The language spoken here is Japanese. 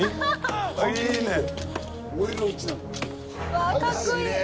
わっかっこいい。